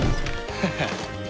ハハッ。